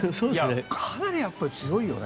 かなり強いよね。